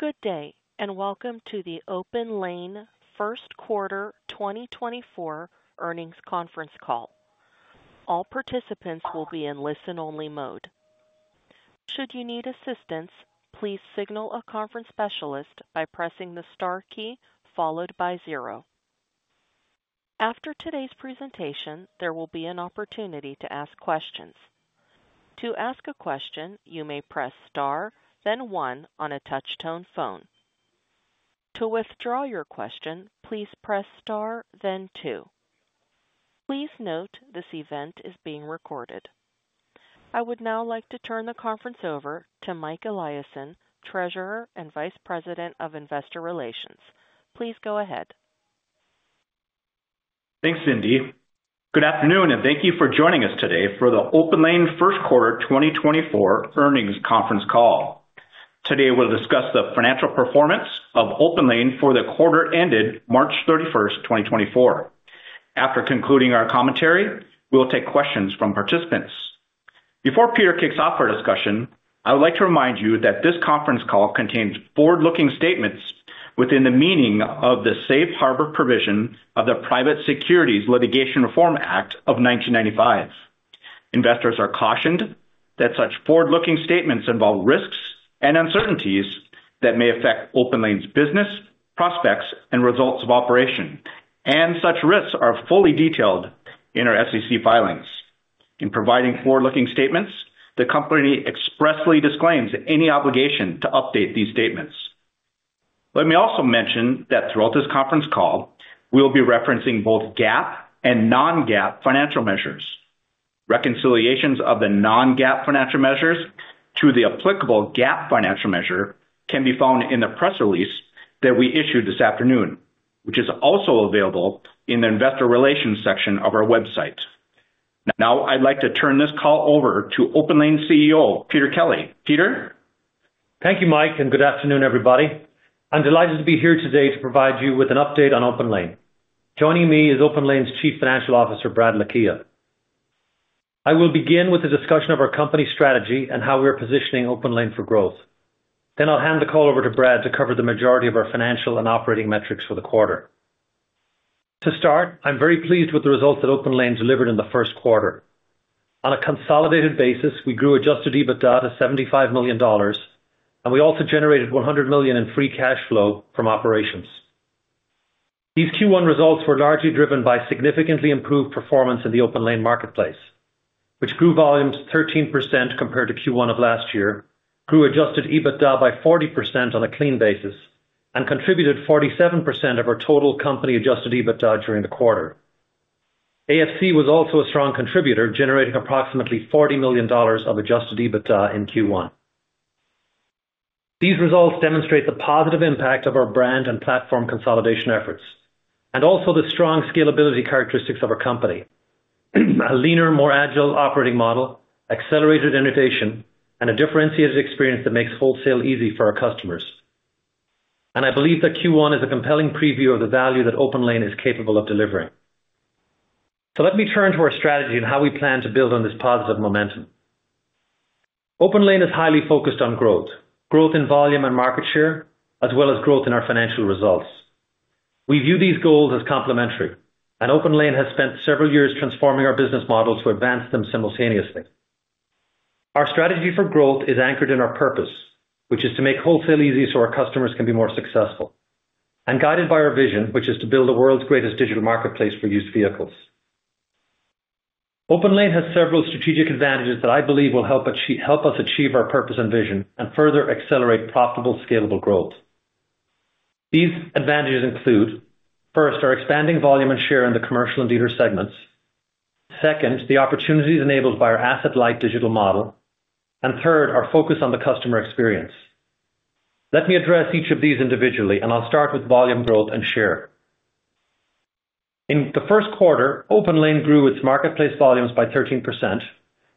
Good day, and welcome to the OPENLANE first quarter 2024 earnings conference call. All participants will be in listen-only mode. Should you need assistance, please signal a conference specialist by pressing the star key followed by zero. After today's presentation, there will be an opportunity to ask questions. To ask a question, you may press star, then one on a touch-tone phone. To withdraw your question, please press star then two. Please note this event is being recorded. I would now like to turn the conference over to Mike Eliason, Treasurer and Vice President of Investor Relations. Please go ahead. Thanks, Cindy. Good afternoon, and thank you for joining us today for the OPENLANE first quarter 2024 earnings conference call. Today, we'll discuss the financial performance of OPENLANE for the quarter ended March 31st, 2024. After concluding our commentary, we will take questions from participants. Before Peter kicks off our discussion, I would like to remind you that this conference call contains forward-looking statements within the meaning of the Safe Harbor provision of the Private Securities Litigation Reform Act of 1995. Investors are cautioned that such forward-looking statements involve risks and uncertainties that may affect OPENLANE's business, prospects and results of operation, and such risks are fully detailed in our SEC filings. In providing forward-looking statements, the company expressly disclaims any obligation to update these statements. Let me also mention that throughout this conference call, we'll be referencing both GAAP and non-GAAP financial measures. Reconciliations of the non-GAAP financial measures to the applicable GAAP financial measure can be found in the press release that we issued this afternoon, which is also available in the investor relations section of our website. Now, I'd like to turn this call over to OPENLANE CEO, Peter Kelly. Peter? Thank you, Mike, and good afternoon, everybody. I'm delighted to be here today to provide you with an update on OPENLANE. Joining me is OPENLANE's Chief Financial Officer, Brad Lakhia. I will begin with a discussion of our company strategy and how we are positioning OPENLANE for growth. Then I'll hand the call over to Brad to cover the majority of our financial and operating metrics for the quarter. To start, I'm very pleased with the results that OPENLANE delivered in the first quarter. On a consolidated basis, we grew adjusted EBITDA to $75 million, and we also generated $100 million in free cash flow from operations. These Q1 results were largely driven by significantly improved performance in the OPENLANE marketplace, which grew volumes 13% compared to Q1 of last year, grew adjusted EBITDA by 40% on a clean basis and contributed 47% of our total company adjusted EBITDA during the quarter. AFC was also a strong contributor, generating approximately $40 million of adjusted EBITDA in Q1. These results demonstrate the positive impact of our brand and platform consolidation efforts, and also the strong scalability characteristics of our company. A leaner, more agile operating model, accelerated innovation, and a differentiated experience that makes wholesale easy for our customers. And I believe that Q1 is a compelling preview of the value that OPENLANE is capable of delivering. So let me turn to our strategy and how we plan to build on this positive momentum. OPENLANE is highly focused on growth, growth in volume and market share, as well as growth in our financial results. We view these goals as complementary, and OPENLANE has spent several years transforming our business model to advance them simultaneously. Our strategy for growth is anchored in our purpose, which is to make wholesale easy so our customers can be more successful, and guided by our vision, which is to build the world's greatest digital marketplace for used vehicles. OPENLANE has several strategic advantages that I believe will help us achieve our purpose and vision and further accelerate profitable, scalable growth. These advantages include, first, our expanding volume and share in the commercial and dealer segments. Second, the opportunities enabled by our asset-light digital model, and third, our focus on the customer experience. Let me address each of these individually, and I'll start with volume growth and share. In the first quarter, OPENLANE grew its marketplace volumes by 13%,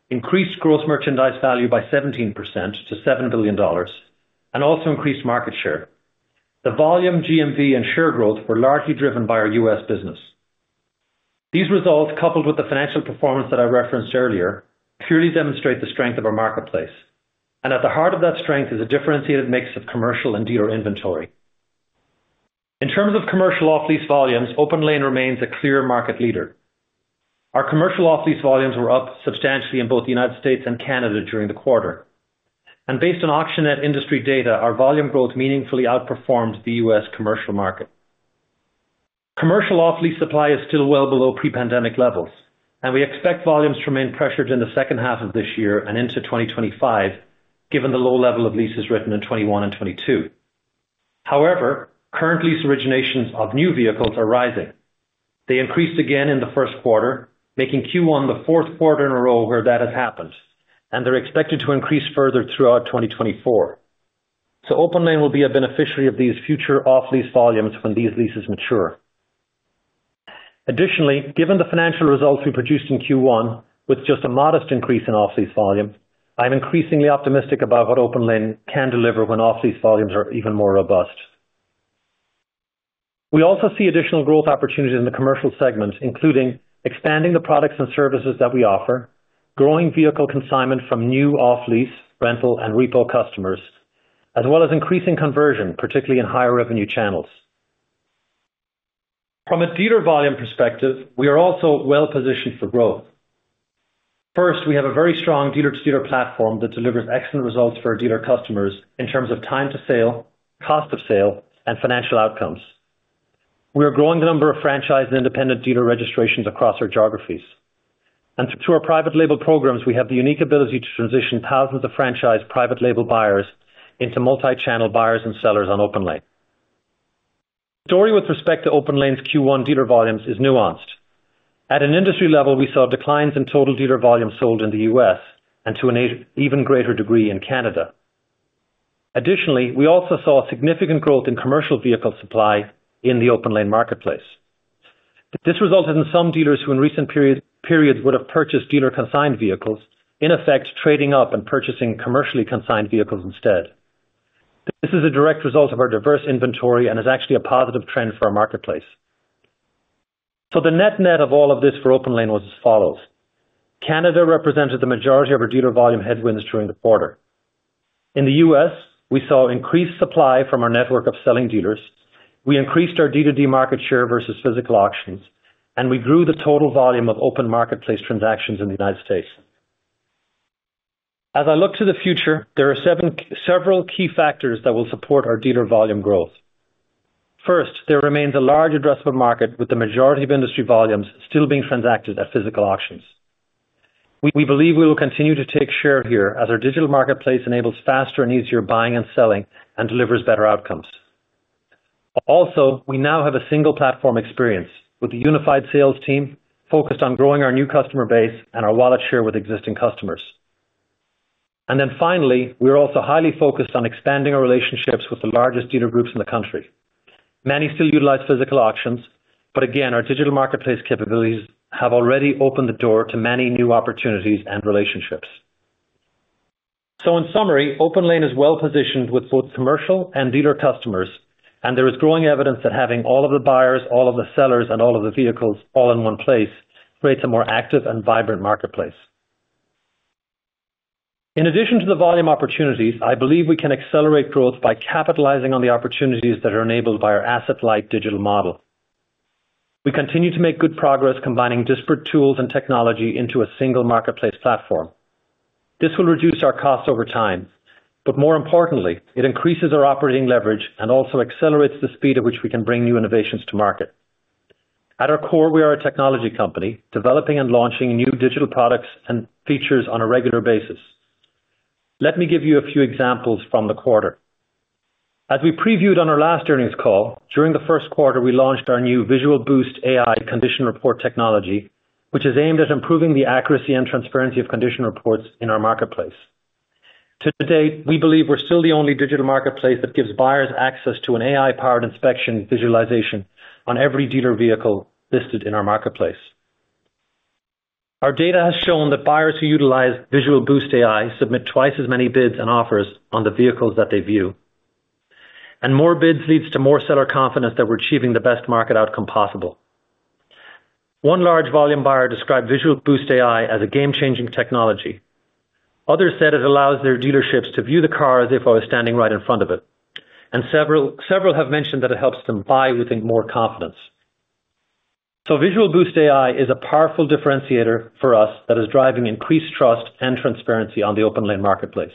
increased gross merchandise value by 17% to $7 billion, and also increased market share. The volume, GMV, and share growth were largely driven by our U.S. business. These results, coupled with the financial performance that I referenced earlier, purely demonstrate the strength of our marketplace, and at the heart of that strength is a differentiated mix of commercial and dealer inventory. In terms of commercial off-lease volumes, OPENLANE remains a clear market leader. Our commercial off-lease volumes were up substantially in both the United States and Canada during the quarter, and based on AuctionNet industry data, our volume growth meaningfully outperformed the U.S. commercial market. Commercial off-lease supply is still well below pre-pandemic levels, and we expect volumes to remain pressured in the second half of this year and into 2025, given the low level of leases written in 2021 and 2022. However, current lease originations of new vehicles are rising. They increased again in the first quarter, making Q1 the fourth quarter in a row where that has happened, and they're expected to increase further throughout 2024. So OPENLANE will be a beneficiary of these future off-lease volumes when these leases mature. Additionally, given the financial results we produced in Q1 with just a modest increase in off-lease volume, I'm increasingly optimistic about what OPENLANE can deliver when off-lease volumes are even more robust. We also see additional growth opportunities in the commercial segment, including expanding the products and services that we offer, growing vehicle consignment from new off-lease, rental, and repo customers, as well as increasing conversion, particularly in higher revenue channels. From a dealer volume perspective, we are also well positioned for growth. First, we have a very strong dealer-to-dealer platform that delivers excellent results for our dealer customers in terms of time to sale, cost of sale, and financial outcomes. We are growing the number of franchise and independent dealer registrations across our geographies, and through our private label programs, we have the unique ability to transition thousands of franchise private label buyers into multi-channel buyers and sellers on OPENLANE. The story with respect to OPENLANE's Q1 dealer volumes is nuanced. At an industry level, we saw declines in total dealer volume sold in the U.S., and to an even greater degree in Canada. Additionally, we also saw significant growth in commercial vehicle supply in the OPENLANE marketplace. This resulted in some dealers who, in recent periods, would have purchased dealer-consigned vehicles, in effect, trading up and purchasing commercially consigned vehicles instead. This is a direct result of our diverse inventory and is actually a positive trend for our marketplace. So the net-net of all of this for OPENLANE was as follows: Canada represented the majority of our dealer volume headwinds during the quarter. In the U.S., we saw increased supply from our network of selling dealers, we increased our D2D market share versus physical auctions, and we grew the total volume of open marketplace transactions in the United States. As I look to the future, there are several key factors that will support our dealer volume growth. First, there remains a large addressable market, with the majority of industry volumes still being transacted at physical auctions. We, we believe we will continue to take share here as our digital marketplace enables faster and easier buying and selling and delivers better outcomes. Also, we now have a single platform experience, with a unified sales team focused on growing our new customer base and our wallet share with existing customers. And then finally, we are also highly focused on expanding our relationships with the largest dealer groups in the country. Many still utilize physical auctions, but again, our digital marketplace capabilities have already opened the door to many new opportunities and relationships. In summary, OPENLANE is well positioned with both commercial and dealer customers, and there is growing evidence that having all of the buyers, all of the sellers, and all of the vehicles all in one place creates a more active and vibrant marketplace. In addition to the volume opportunities, I believe we can accelerate growth by capitalizing on the opportunities that are enabled by our asset-light digital model. We continue to make good progress combining disparate tools and technology into a single marketplace platform. This will reduce our costs over time, but more importantly, it increases our operating leverage and also accelerates the speed at which we can bring new innovations to market. At our core, we are a technology company, developing and launching new digital products and features on a regular basis. Let me give you a few examples from the quarter. As we previewed on our last earnings call, during the first quarter, we launched our new Visual Boost AI condition report technology, which is aimed at improving the accuracy and transparency of condition reports in our marketplace. To date, we believe we're still the only digital marketplace that gives buyers access to an AI-powered inspection visualization on every dealer vehicle listed in our marketplace. Our data has shown that buyers who utilize Visual Boost AI submit twice as many bids and offers on the vehicles that they view. More bids leads to more seller confidence that we're achieving the best market outcome possible. One large volume buyer described Visual Boost AI as a game-changing technology. Others said it allows their dealerships to view the car as if I was standing right in front of it, and several, several have mentioned that it helps them buy with more confidence. So Visual Boost AI is a powerful differentiator for us that is driving increased trust and transparency on the OPENLANE marketplace.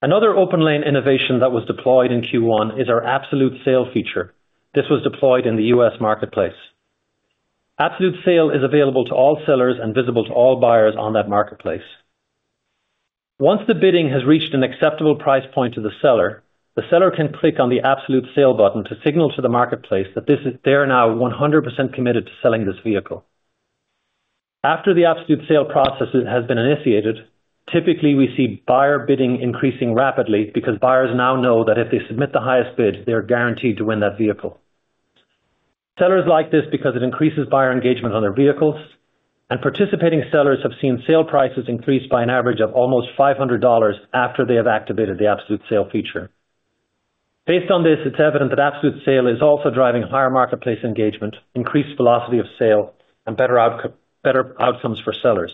Another OPENLANE innovation that was deployed in Q1 is our Absolute Sale feature. This was deployed in the U.S. marketplace. Absolute Sale is available to all sellers and visible to all buyers on that marketplace. Once the bidding has reached an acceptable price point to the seller, the seller can click on the Absolute Sale button to signal to the marketplace that they are now 100% committed to selling this vehicle. After the Absolute Sale process has been initiated, typically, we see buyer bidding increasing rapidly because buyers now know that if they submit the highest bid, they are guaranteed to win that vehicle. Sellers like this because it increases buyer engagement on their vehicles, and participating sellers have seen sale prices increase by an average of almost $500 after they have activated the Absolute Sale feature. Based on this, it's evident that Absolute Sale is also driving higher marketplace engagement, increased velocity of sale, and better outcomes for sellers.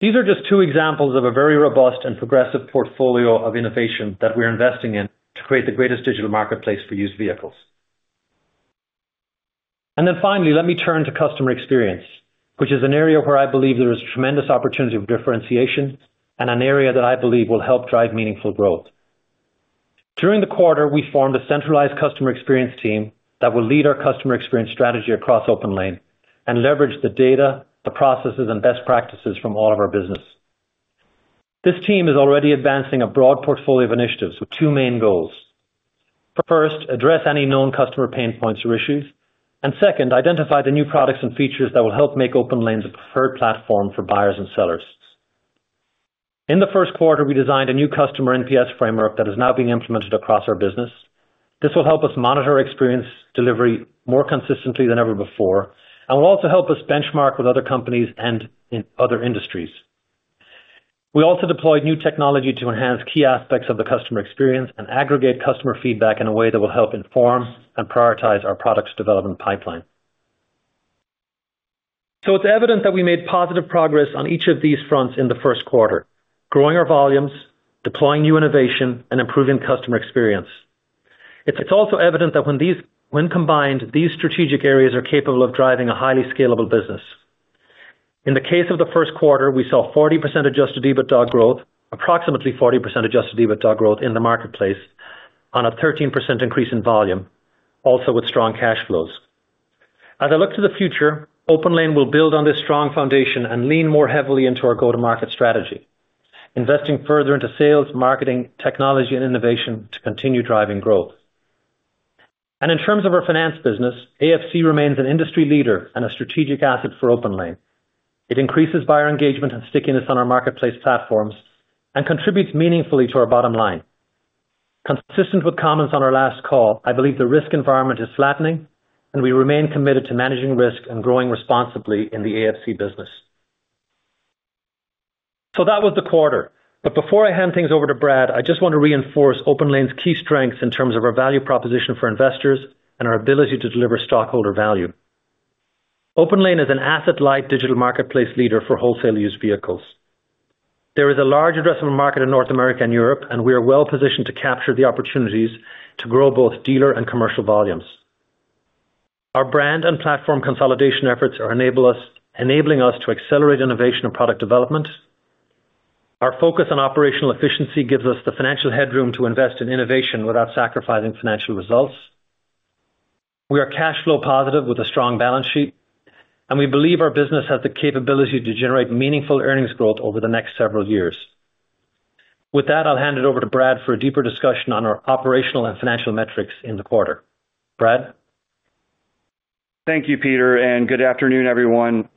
These are just two examples of a very robust and progressive portfolio of innovation that we're investing in to create the greatest digital marketplace for used vehicles. And then finally, let me turn to customer experience, which is an area where I believe there is tremendous opportunity of differentiation and an area that I believe will help drive meaningful growth. During the quarter, we formed a centralized customer experience team that will lead our customer experience strategy across OPENLANE and leverage the data, the processes, and best practices from all of our business. This team is already advancing a broad portfolio of initiatives with two main goals. First, address any known customer pain points or issues, and second, identify the new products and features that will help make OPENLANE the preferred platform for buyers and sellers. In the first quarter, we designed a new customer NPS framework that is now being implemented across our business. This will help us monitor experience delivery more consistently than ever before, and will also help us benchmark with other companies and in other industries. We also deployed new technology to enhance key aspects of the customer experience and aggregate customer feedback in a way that will help inform and prioritize our products development pipeline. So it's evident that we made positive progress on each of these fronts in the first quarter, growing our volumes, deploying new innovation, and improving customer experience. It's also evident that when combined, these strategic areas are capable of driving a highly scalable business. In the case of the first quarter, we saw 40% adjusted EBITDA growth, approximately 40% adjusted EBITDA growth in the marketplace on a 13% increase in volume, also with strong cash flows. As I look to the future, OPENLANE will build on this strong foundation and lean more heavily into our go-to-market strategy, investing further into sales, marketing, technology, and innovation to continue driving growth. And in terms of our finance business, AFC remains an industry leader and a strategic asset for OPENLANE. It increases buyer engagement and stickiness on our marketplace platforms and contributes meaningfully to our bottom line. Consistent with comments on our last call, I believe the risk environment is flattening, and we remain committed to managing risk and growing responsibly in the AFC business. So that was the quarter. But before I hand things over to Brad, I just want to reinforce OPENLANE's key strengths in terms of our value proposition for investors and our ability to deliver stockholder value. OPENLANE is an asset-light digital marketplace leader for wholesale used vehicles. There is a large addressable market in North America and Europe, and we are well-positioned to capture the opportunities to grow both dealer and commercial volumes. Our brand and platform consolidation efforts are enabling us to accelerate innovation and product development. Our focus on operational efficiency gives us the financial headroom to invest in innovation without sacrificing financial results. We are cash flow positive with a strong balance sheet, and we believe our business has the capability to generate meaningful earnings growth over the next several years. With that, I'll hand it over to Brad for a deeper discussion on our operational and financial metrics in the quarter. Brad? Thank you, Peter, and good afternoon, everyone.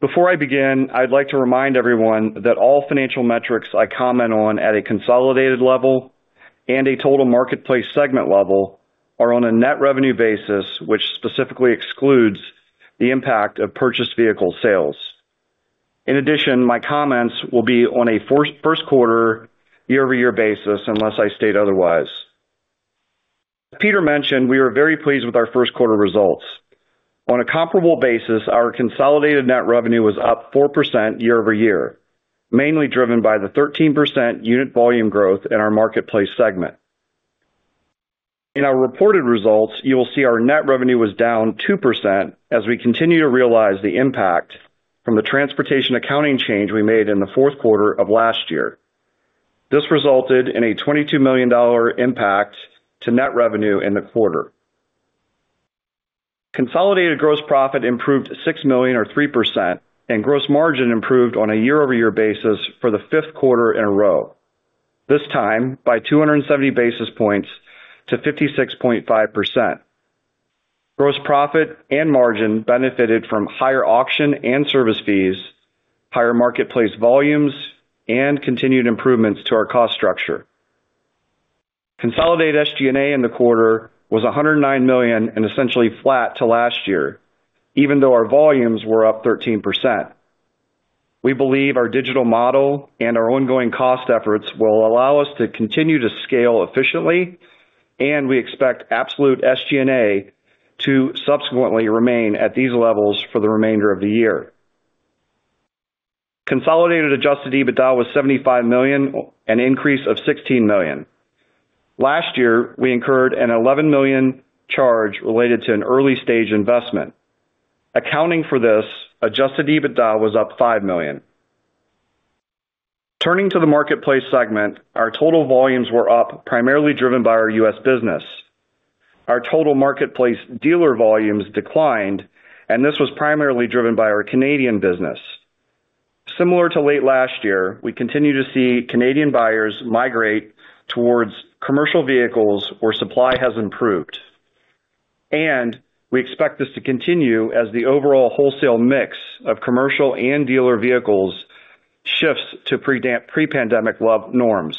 Before I begin, I'd like to remind everyone that all financial metrics I comment on at a consolidated level and a total Marketplace segment level are on a net revenue basis, which specifically excludes the impact of purchased vehicle sales. In addition, my comments will be on a first, first quarter year-over-year basis, unless I state otherwise. Peter mentioned we are very pleased with our first quarter results. On a comparable basis, our consolidated net revenue was up 4% year-over-year, mainly driven by the 13% unit volume growth in our Marketplace segment. In our reported results, you will see our net revenue was down 2% as we continue to realize the impact from the transportation accounting change we made in the fourth quarter of last year. This resulted in a $22 million impact to net revenue in the quarter. Consolidated gross profit improved $6 million or 3%, and gross margin improved on a year-over-year basis for the fifth quarter in a row, this time by 270 basis points to 56.5%. Gross profit and margin benefited from higher auction and service fees, higher marketplace volumes, and continued improvements to our cost structure. Consolidated SG&A in the quarter was $109 million and essentially flat to last year, even though our volumes were up 13%. We believe our digital model and our ongoing cost efforts will allow us to continue to scale efficiently, and we expect absolute SG&A to subsequently remain at these levels for the remainder of the year. Consolidated adjusted EBITDA was $75 million, an increase of $16 million. Last year, we incurred a $11 million charge related to an early-stage investment. Accounting for this, adjusted EBITDA was up $5 million. Turning to the Marketplace segment, our total volumes were up, primarily driven by our U.S. business. Our total marketplace dealer volumes declined, and this was primarily driven by our Canadian business. Similar to late last year, we continue to see Canadian buyers migrate towards commercial vehicles where supply has improved, and we expect this to continue as the overall wholesale mix of commercial and dealer vehicles shifts to pre-pandemic low norms.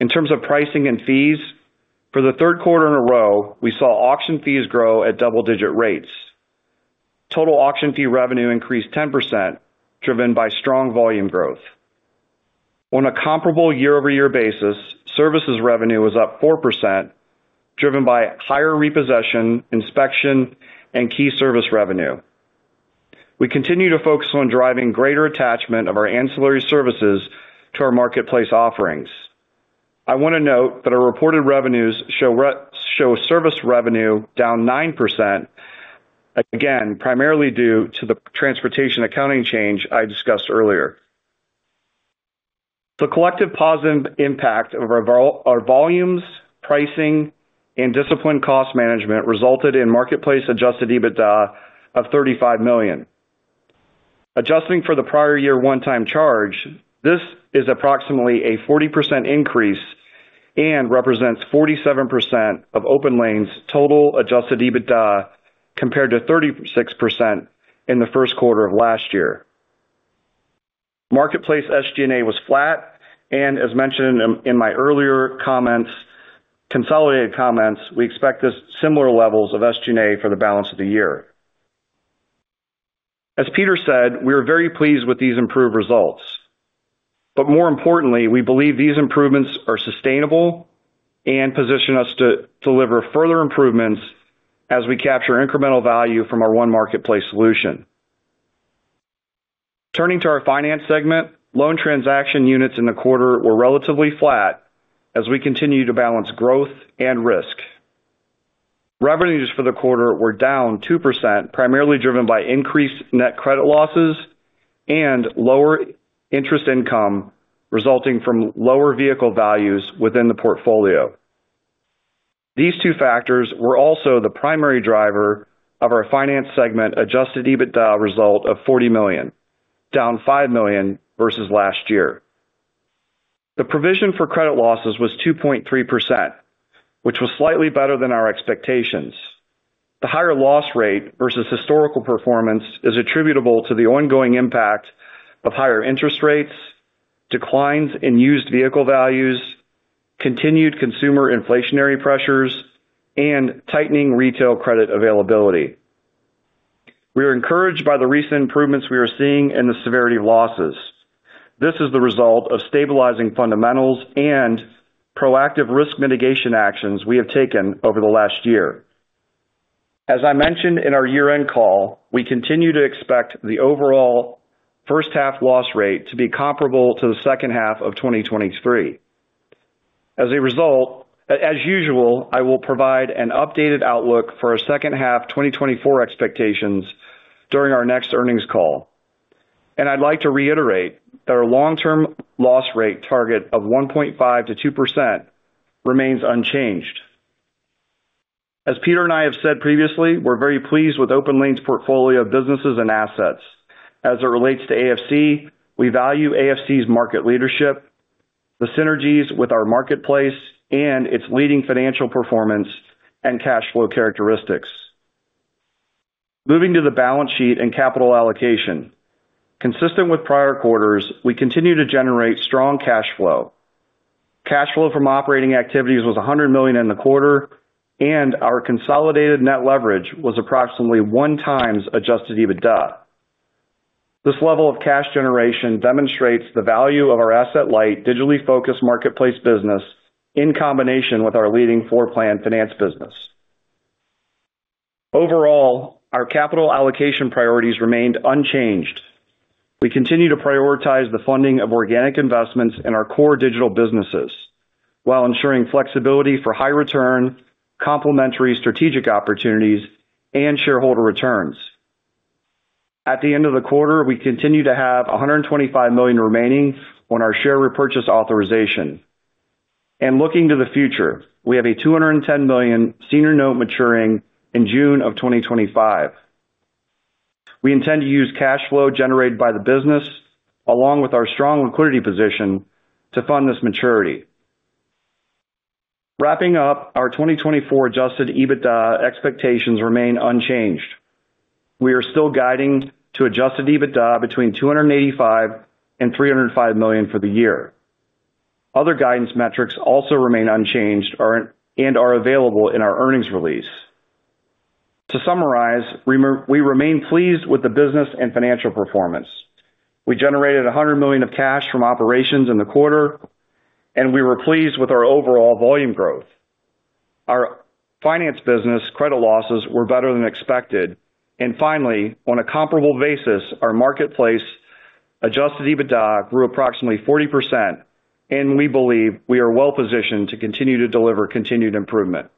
In terms of pricing and fees, for the third quarter in a row, we saw auction fees grow at double-digit rates. Total auction fee revenue increased 10%, driven by strong volume growth. On a comparable year-over-year basis, services revenue was up 4%, driven by higher repossession, inspection, and key service revenue. We continue to focus on driving greater attachment of our ancillary services to our marketplace offerings. I want to note that our reported revenues show service revenue down 9%, again, primarily due to the transportation accounting change I discussed earlier. The collective positive impact of our volumes, pricing, and disciplined cost management resulted in marketplace-adjusted EBITDA of $35 million. Adjusting for the prior year one-time charge, this is approximately a 40% increase and represents 47% of OPENLANE's total adjusted EBITDA, compared to 36% in the first quarter of last year. Marketplace SG&A was flat, and as mentioned in my earlier consolidated comments, we expect similar levels of SG&A for the balance of the year. As Peter said, we are very pleased with these improved results, but more importantly, we believe these improvements are sustainable and position us to deliver further improvements as we capture incremental value from our one marketplace solution. Turning to our Finance segment, loan transaction units in the quarter were relatively flat as we continue to balance growth and risk. Revenues for the quarter were down 2%, primarily driven by increased net credit losses and lower interest income, resulting from lower vehicle values within the portfolio. These two factors were also the primary driver of our Finance segment adjusted EBITDA result of $40 million, down $5 million versus last year. The provision for credit losses was 2.3%, which was slightly better than our expectations. The higher loss rate versus historical performance is attributable to the ongoing impact of higher interest rates, declines in used vehicle values, continued consumer inflationary pressures, and tightening retail credit availability. We are encouraged by the recent improvements we are seeing in the severity of losses. This is the result of stabilizing fundamentals and proactive risk mitigation actions we have taken over the last year. As I mentioned in our year-end call, we continue to expect the overall first half loss rate to be comparable to the second half of 2023. As a result, as usual, I will provide an updated outlook for our second half 2024 expectations during our next earnings call. I'd like to reiterate that our long-term loss rate target of 1.5%-2% remains unchanged. As Peter and I have said previously, we're very pleased with OPENLANE's portfolio of businesses and assets. As it relates to AFC, we value AFC's market leadership, the synergies with our marketplace, and its leading financial performance and cash flow characteristics. Moving to the balance sheet and capital allocation. Consistent with prior quarters, we continue to generate strong cash flow. Cash flow from operating activities was $100 million in the quarter, and our consolidated net leverage was approximately 1x adjusted EBITDA. This level of cash generation demonstrates the value of our asset-light, digitally focused marketplace business, in combination with our leading floorplan finance business. Overall, our capital allocation priorities remained unchanged. We continue to prioritize the funding of organic investments in our core digital businesses, while ensuring flexibility for high return, complementary strategic opportunities, and shareholder returns. At the end of the quarter, we continue to have $125 million remaining on our share repurchase authorization. Looking to the future, we have a $210 million senior note maturing in June of 2025. We intend to use cash flow generated by the business, along with our strong liquidity position, to fund this maturity. Wrapping up, our 2024 adjusted EBITDA expectations remain unchanged. We are still guiding to adjusted EBITDA between $285 million and $305 million for the year. Other guidance metrics also remain unchanged, and are available in our earnings release. To summarize, we remain pleased with the business and financial performance. We generated $100 million of cash from operations in the quarter, and we were pleased with our overall volume growth. Our finance business credit losses were better than expected, and finally, on a comparable basis, our marketplace adjusted EBITDA grew approximately 40%, and we believe we are well positioned to continue to deliver continued improvement.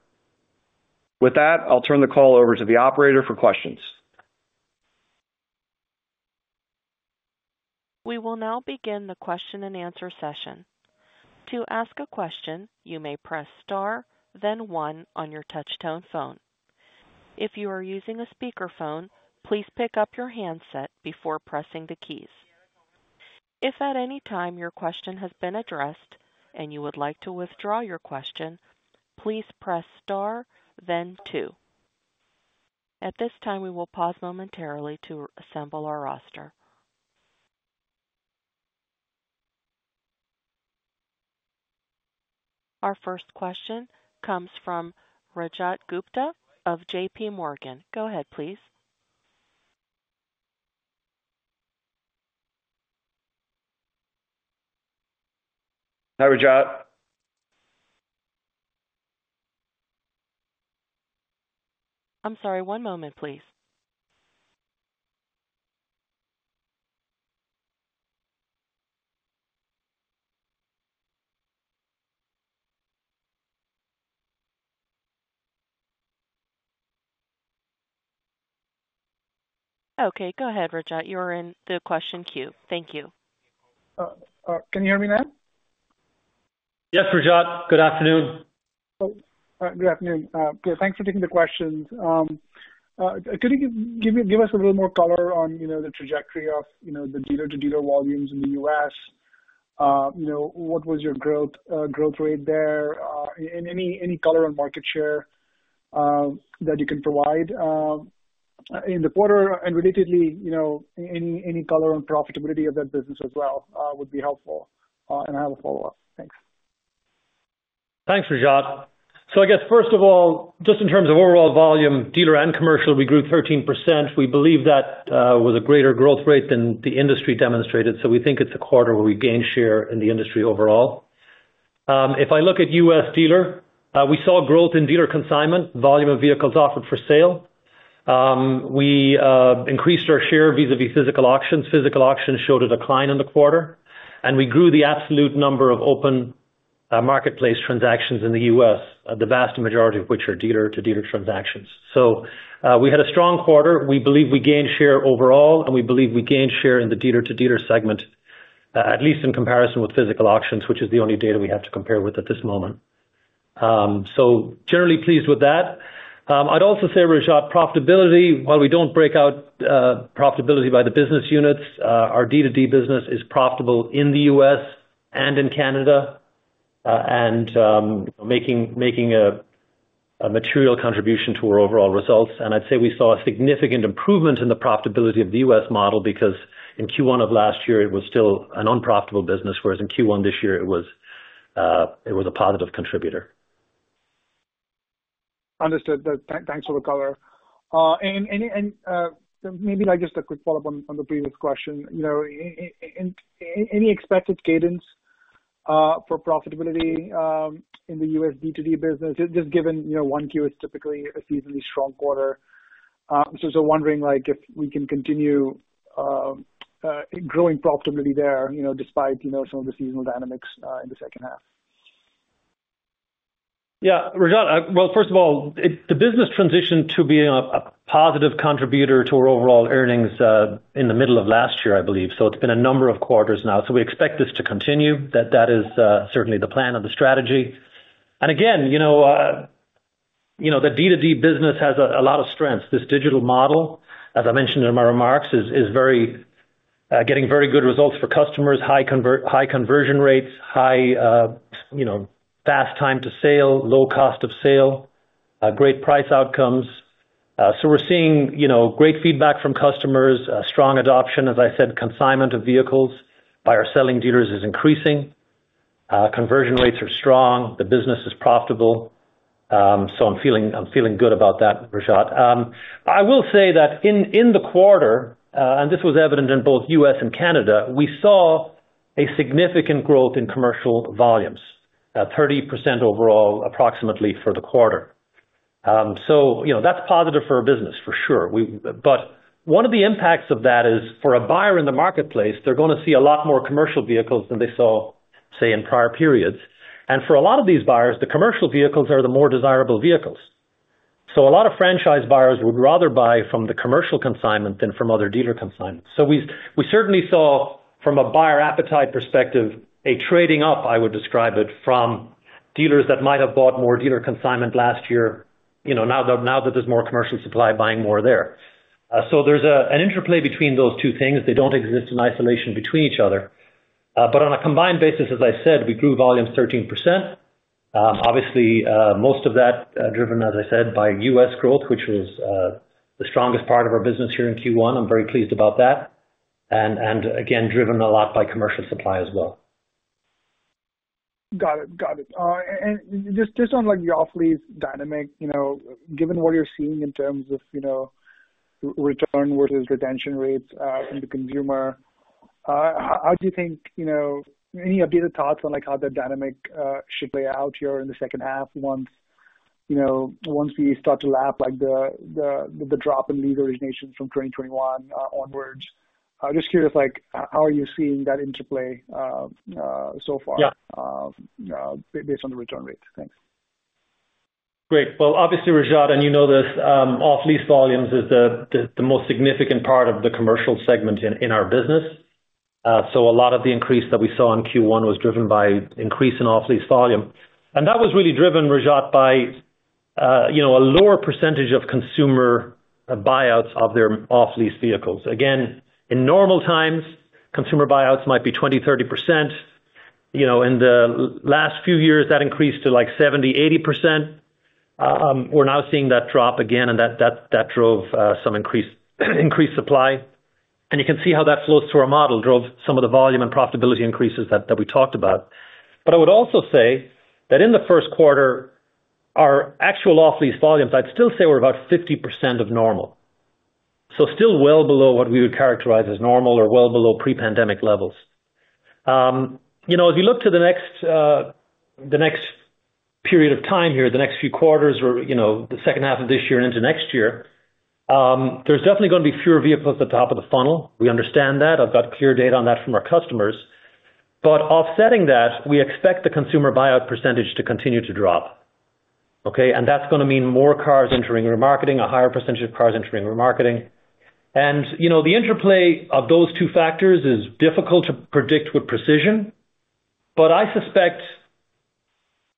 With that, I'll turn the call over to the operator for questions. We will now begin the question-and-answer session. To ask a question, you may press star, then one on your touch-tone phone. If you are using a speakerphone, please pick up your handset before pressing the keys. If at any time your question has been addressed and you would like to withdraw your question, please press star then two. At this time, we will pause momentarily to assemble our roster. Our first question comes from Rajat Gupta of JPMorgan. Go ahead, please. Hi, Rajat. I'm sorry, one moment, please. Okay, go ahead, Rajat. You are in the question queue. Thank you. Can you hear me now? Yes, Rajat, good afternoon. Good afternoon. Thanks for taking the questions. Could you give us a little more color on, you know, the trajectory of, you know, the dealer-to-dealer volumes in the U.S.? You know, what was your growth rate there? And any color on market share that you can provide in the quarter, and relatedly, you know, any color on profitability of that business as well would be helpful. And I have a follow-up. Thanks. Thanks, Rajat. So I guess, first of all, just in terms of overall volume, dealer and commercial, we grew 13%. We believe that was a greater growth rate than the industry demonstrated, so we think it's a quarter where we gained share in the industry overall. If I look at U.S. dealer, we saw growth in dealer consignment, volume of vehicles offered for sale. We increased our share vis-a-vis physical auctions. Physical auctions showed a decline in the quarter, and we grew the absolute number of open marketplace transactions in the U.S., the vast majority of which are dealer-to-dealer transactions. So, we had a strong quarter. We believe we gained share overall, and we believe we gained share in the dealer-to-dealer segment, at least in comparison with physical auctions, which is the only data we have to compare with at this moment. So generally pleased with that. I'd also say, Rajat, profitability, while we don't break out profitability by the business units, our D2D business is profitable in the U.S. and in Canada, and making a material contribution to our overall results. And I'd say we saw a significant improvement in the profitability of the U.S. model, because in Q1 of last year, it was still an unprofitable business, whereas in Q1 this year, it was a positive contributor. Understood. Thanks for the color. And maybe, like, just a quick follow-up on the previous question. You know, any expected cadence for profitability in the U.S. D2D business, just given, you know, 1Q is typically a seasonally strong quarter. So wondering, like, if we can continue growing profitability there, you know, despite, you know, some of the seasonal dynamics in the second half. Yeah, Rajat, well, first of all, the business transitioned to being a positive contributor to our overall earnings in the middle of last year, I believe, so it's been a number of quarters now. So we expect this to continue. That is certainly the plan of the strategy. And again, you know, you know, the D2D business has a lot of strengths. This digital model, as I mentioned in my remarks, is getting very good results for customers, high conversion rates, high, you know, fast time to sale, low cost of sale, great price outcomes. So we're seeing, you know, great feedback from customers, strong adoption. As I said, consignment of vehicles by our selling dealers is increasing. Conversion rates are strong, the business is profitable. So I'm feeling, I'm feeling good about that, Rajat. I will say that in, in the quarter, and this was evident in both U.S. and Canada, we saw a significant growth in commercial volumes, 30% overall, approximately for the quarter. So, you know, that's positive for our business for sure. But one of the impacts of that is for a buyer in the marketplace, they're gonna see a lot more commercial vehicles than they saw, say, in prior periods. And for a lot of these buyers, the commercial vehicles are the more desirable vehicles. So a lot of franchise buyers would rather buy from the commercial consignment than from other dealer consignments. So we, we certainly saw, from a buyer appetite perspective, a trading up, I would describe it, from dealers that might have bought more dealer consignment last year, you know, now that, now that there's more commercial supply, buying more there. So there's an interplay between those two things. They don't exist in isolation between each other. But on a combined basis, as I said, we grew volumes 13%. Obviously, most of that, driven, as I said, by U.S. growth, which was the strongest part of our business here in Q1. I'm very pleased about that. And, and again, driven a lot by commercial supply as well. Got it. Got it. And just, just on, like, the off-lease dynamic, you know, given what you're seeing in terms of, you know, return versus retention rates, from the consumer, how, how do you think, you know. Any updated thoughts on, like, how the dynamic should play out here in the second half, once, you know, once we start to lap, like, the drop in lease origination from 2021 onwards? I'm just curious, like, how are you seeing that interplay so far- Yeah... based on the return rates? Thanks. Great. Well, obviously, Rajat, and you know this, off-lease volumes is the most significant part of the commercial segment in our business. So a lot of the increase that we saw in Q1 was driven by increase in off-lease volume, and that was really driven, Rajat, by you know, a lower percentage of consumer buyouts of their off-lease vehicles. Again, in normal times, consumer buyouts might be 20%, 30%. You know, in the last few years, that increased to, like, 70%, 80%. We're now seeing that drop again, and that drove some increased supply. And you can see how that flows through our model, drove some of the volume and profitability increases that we talked about. But I would also say that in the first quarter, our actual off-lease volumes, I'd still say were about 50% of normal. So still well below what we would characterize as normal or well below pre-pandemic levels. You know, as you look to the next period of time here, the next few quarters or, you know, the second half of this year and into next year, there's definitely going to be fewer vehicles at the top of the funnel. We understand that. I've got clear data on that from our customers. But offsetting that, we expect the consumer buyout percentage to continue to drop, okay? And that's gonna mean more cars entering remarketing, a higher percentage of cars entering remarketing. And, you know, the interplay of those two factors is difficult to predict with precision, but I suspect,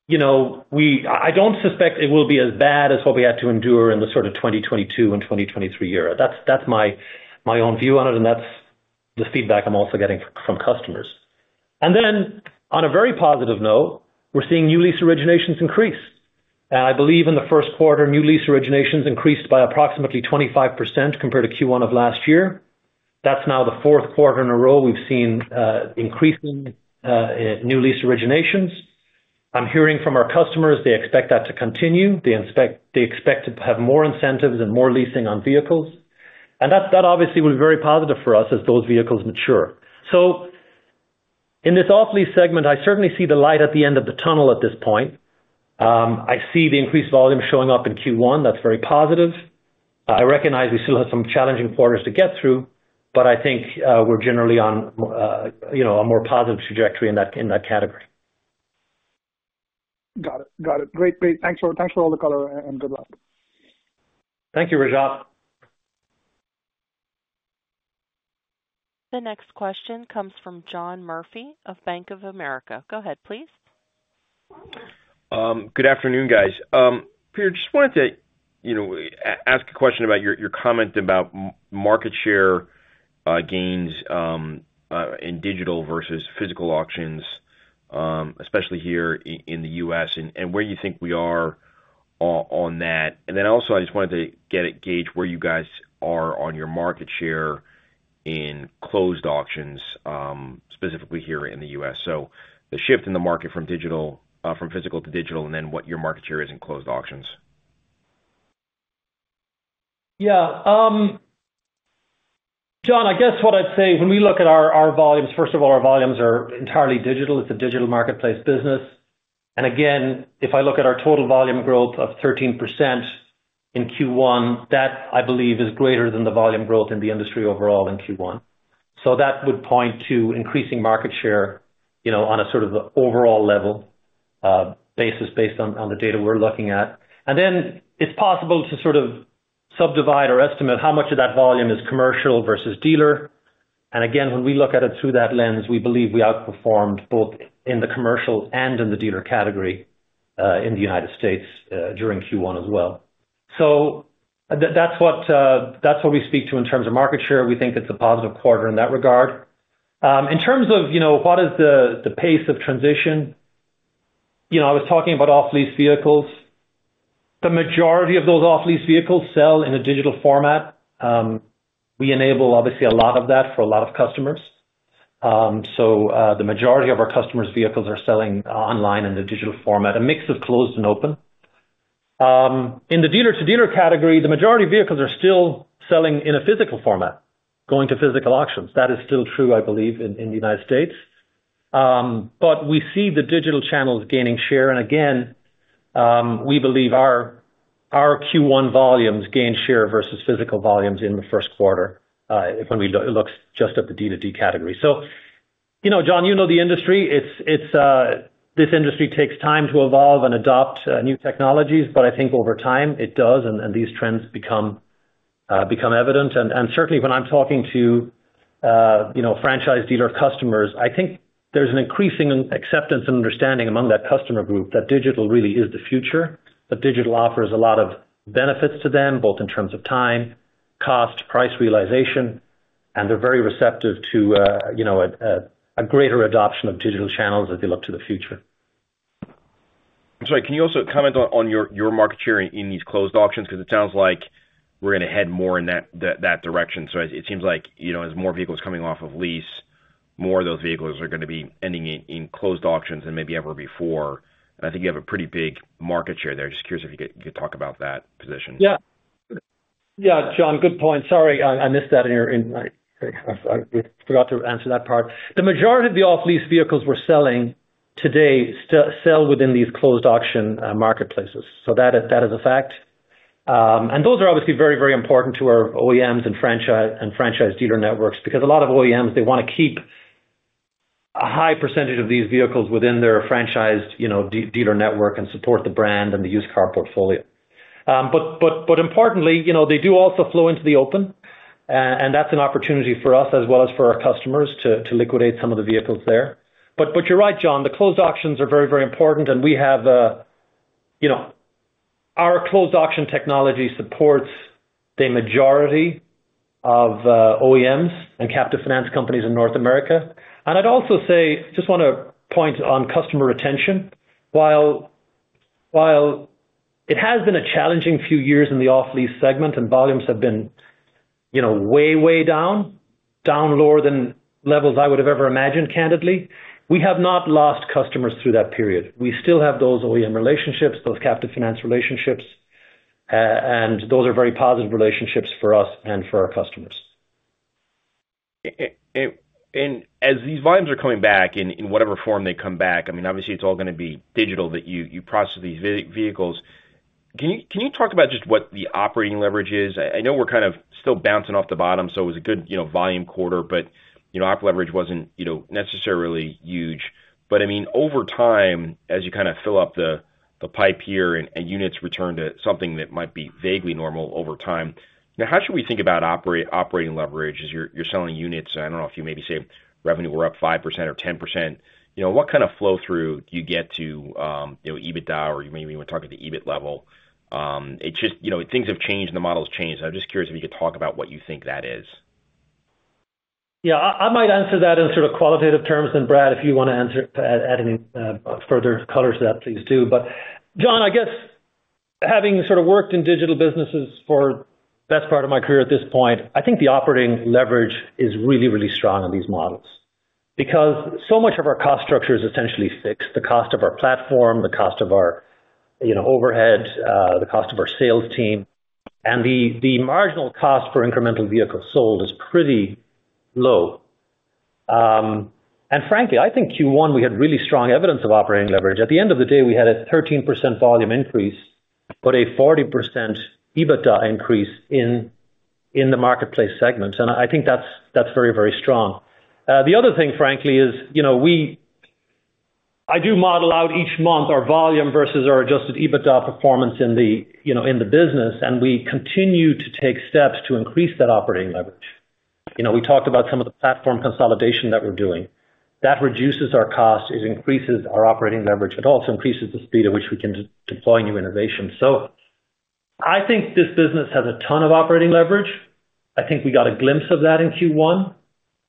you know, I don't suspect it will be as bad as what we had to endure in the sort of 2022 and 2023 year. That's, that's my, my own view on it, and that's the feedback I'm also getting from customers. And then on a very positive note, we're seeing new lease originations increase. And I believe in the first quarter, new lease originations increased by approximately 25% compared to Q1 of last year. That's now the fourth quarter in a row we've seen increasing new lease originations. I'm hearing from our customers, they expect that to continue. They expect to have more incentives and more leasing on vehicles. And that, that obviously was very positive for us as those vehicles mature. So in this off-lease segment, I certainly see the light at the end of the tunnel at this point. I see the increased volume showing up in Q1. That's very positive. I recognize we still have some challenging quarters to get through, but I think, we're generally on, you know, a more positive trajectory in that, in that category. Got it. Got it. Great, great. Thanks for, thanks for all the color and good luck. Thank you, Rajat. The next question comes from John Murphy of Bank of America. Go ahead, please. Good afternoon, guys. Peter, just wanted to, you know, ask a question about your comment about market share gains in digital versus physical auctions, especially here in the U.S., and where you think we are on that. And then also, I just wanted to get a gauge where you guys are on your market share in closed auctions, specifically here in the U.S. So the shift in the market from physical to digital, and then what your market share is in closed auctions. Yeah. John, I guess what I'd say when we look at our volumes, first of all, our volumes are entirely digital. It's a digital marketplace business. And again, if I look at our total volume growth of 13% in Q1, that I believe is greater than the volume growth in the industry overall in Q1. So that would point to increasing market share, you know, on a sort of overall level basis, based on the data we're looking at. And then it's possible to sort of subdivide or estimate how much of that volume is commercial versus dealer. And again, when we look at it through that lens, we believe we outperformed both in the commercial and in the dealer category in the United States during Q1 as well. So that's what we speak to in terms of market share. We think it's a positive quarter in that regard. In terms of, you know, what is the, the pace of transition? You know, I was talking about off-lease vehicles. The majority of those off-lease vehicles sell in a digital format. We enable obviously a lot of that for a lot of customers. So, the majority of our customers' vehicles are selling online in the digital format, a mix of closed and open. In the dealer-to-dealer category, the majority of vehicles are still selling in a physical format, going to physical auctions. That is still true, I believe, in the United States. But we see the digital channels gaining share. And again, we believe our Q1 volumes gained share versus physical volumes in the first quarter, when we looks just at the D2D category. So, you know, John, you know the industry. It's this industry takes time to evolve and adopt new technologies, but I think over time, it does, and these trends become evident. And certainly when I'm talking to you know, franchise dealer customers, I think there's an increasing acceptance and understanding among that customer group that digital really is the future, that digital offers a lot of benefits to them, both in terms of time, cost, price realization, and they're very receptive to you know, a greater adoption of digital channels as they look to the future. I'm sorry, can you also comment on your market share in these closed auctions? Because it sounds like we're gonna head more in that direction. So it seems like, you know, as more vehicles coming off of lease, more of those vehicles are gonna be ending in closed auctions than maybe ever before. I think you have a pretty big market share there. Just curious if you could talk about that position. Yeah. Yeah, John, good point. Sorry, I missed that in your. I forgot to answer that part. The majority of the off-lease vehicles we're selling today sell within these closed auction marketplaces. So that is a fact. And those are obviously very important to our OEMs and franchise dealer networks, because a lot of OEMs, they wanna keep a high percentage of these vehicles within their franchised dealer network and support the brand and the used car portfolio. But importantly, you know, they do also flow into the open, and that's an opportunity for us as well as for our customers to liquidate some of the vehicles there. But, but you're right, John, the closed auctions are very, very important, and we have, you know, our closed auction technology supports the majority of, OEMs and captive finance companies in North America. And I'd also say, just wanna point on customer retention. While, while it has been a challenging few years in the off-lease segment, and volumes have been you know, way, way down, down lower than levels I would have ever imagined, candidly, we have not lost customers through that period. We still have those OEM relationships, those captive finance relationships, and those are very positive relationships for us and for our customers. And as these volumes are coming back in, in whatever form they come back, I mean, obviously, it's all gonna be digital, that you process these vehicles. Can you talk about just what the operating leverage is? I know we're kind of still bouncing off the bottom, so it was a good, you know, volume quarter, but, you know, operating leverage wasn't, you know, necessarily huge. But I mean, over time, as you kind of fill up the pipe here and units return to something that might be vaguely normal over time, now, how should we think about operating leverage as you're selling units? I don't know if you maybe say revenue were up 5% or 10%, you know, what kind of flow through do you get to, you know, EBITDA or maybe even talking to EBIT level? It just, you know, things have changed, the model's changed. I'm just curious if you could talk about what you think that is? Yeah, I might answer that in sort of qualitative terms, then Brad, if you want to answer to add any further color to that, please do. But John, I guess having sort of worked in digital businesses for best part of my career at this point, I think the operating leverage is really, really strong on these models because so much of our cost structure is essentially fixed. The cost of our platform, the cost of our, you know, overhead, the cost of our sales team, and the marginal cost per incremental vehicle sold is pretty low. And frankly, I think Q1, we had really strong evidence of operating leverage. At the end of the day, we had a 13% volume increase, but a 40% EBITDA increase in the Marketplace segment, and I think that's very, very strong. The other thing, frankly, is, you know, we-- I do model out each month our volume versus our adjusted EBITDA performance in the, you know, in the business, and we continue to take steps to increase that operating leverage. You know, we talked about some of the platform consolidation that we're doing. That reduces our cost, it increases our operating leverage. It also increases the speed at which we can deploy new innovation. So I think this business has a ton of operating leverage. I think we got a glimpse of that in Q1.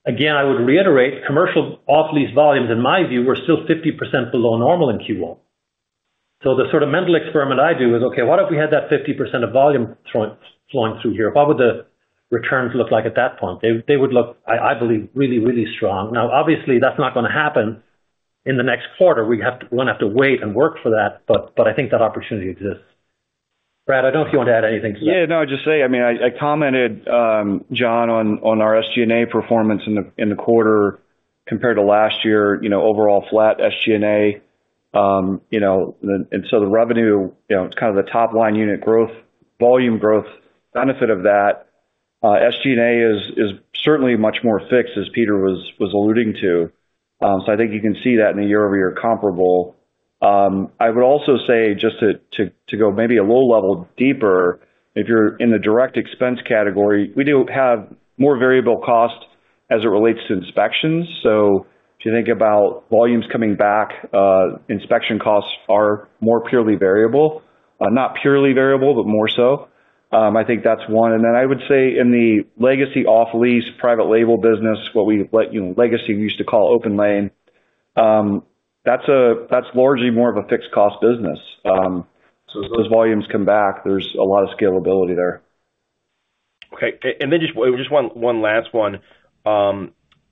Again, I would reiterate, commercial off-lease volumes, in my view, were still 50% below normal in Q1. So the sort of mental experiment I do is, okay, what if we had that 50% of volume flowing, flowing through here? What would the returns look like at that point? They would look, I believe, really, really strong. Now, obviously, that's not gonna happen in the next quarter. We have to. We're gonna have to wait and work for that, but I think that opportunity exists. Brad, I don't know if you want to add anything to that. Yeah, no, I'll just say, I mean, I commented, John, on our SG&A performance in the quarter compared to last year, you know, overall flat SG&A. You know, and so the revenue, you know, it's kind of the top line unit growth, volume growth benefit of that. SG&A is certainly much more fixed, as Peter was alluding to. So I think you can see that in a year-over-year comparable. I would also say, just to go maybe a low level deeper, if you're in the direct expense category, we do have more variable costs as it relates to inspections. So if you think about volumes coming back, inspection costs are more purely variable. Not purely variable, but more so. I think that's one. I would say in the legacy off-lease, private label business, you know, legacy, we used to call OPENLANE, that's a, that's largely more of a fixed cost business. So as those volumes come back, there's a lot of scalability there. Okay. And then just one last one.